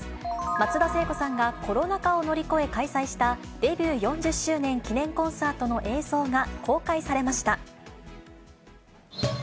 松田聖子さんがコロナ禍を乗り越え開催した、デビュー４０周年記念コンサートの映像が公開されました。